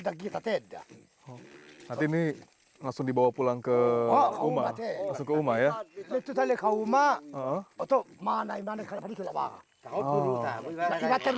nah ini sudah dapat